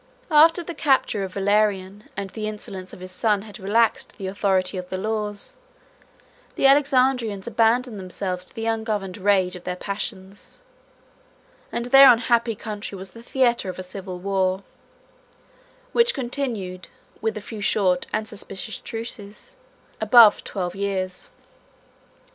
174 After the captivity of Valerian and the insolence of his son had relaxed the authority of the laws, the Alexandrians abandoned themselves to the ungoverned rage of their passions, and their unhappy country was the theatre of a civil war, which continued (with a few short and suspicious truces) above twelve years.